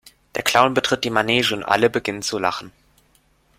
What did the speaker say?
Der Clown betritt die Manege und alle beginnen zu Lachen.